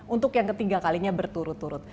untuk yang ketiga kalinya berturut turut